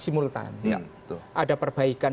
simultan ada perbaikan